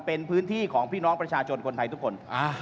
เป็นพื้นที่ของพี่น้องประชาชนคนไทยทุกคน